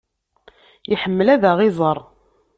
Iḥemmel ad aɣ-iẓer.